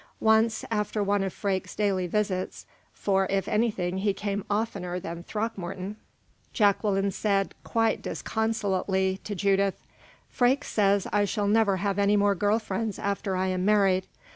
Once, after one of Freke's daily visits for, if anything, he came oftener than Throckmorton Jacqueline said, quite disconsolately, to Judith: "Freke says I shall never have any more girl friends after I am married.